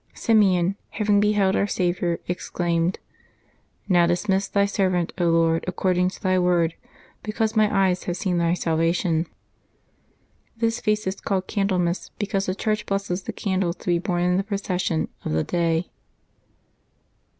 Simeon, having beheld Our Saviour, exclaimed :" Now dismiss Thy servant, Lord, according to Thy word, because my eyes have seen Thy salvation." FEBBiJAEy 3] LIVES OF THE SAINTS 61 This feast is called Candlemas, because the Clmrcli blesses the candles to be borne in the procession of the day.